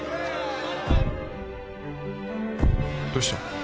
どうした？